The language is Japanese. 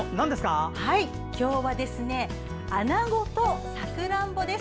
今日はアナゴとさくらんぼです。